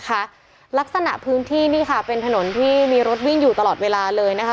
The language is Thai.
ลักษณะพื้นที่นี่ค่ะเป็นถนนที่มีรถวิ่งอยู่ตลอดเวลาเลยนะคะ